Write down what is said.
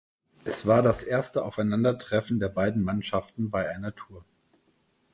Es war das erste Aufeinandertreffen der beiden Mannschaften bei einer Tour.